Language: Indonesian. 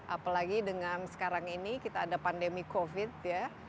apalagi dengan sekarang ini kita ada pandemi covid ya